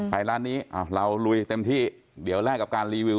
ร้านนี้เราลุยเต็มที่เดี๋ยวแลกกับการรีวิว